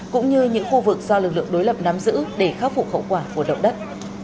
cũng như những khu vực do lực lượng đối lập nắm giữ để khắc phục hậu quả của động đất